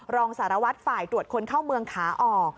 รองสารวัตรฝ่ายตรวจคนเข้าเมืองขาออก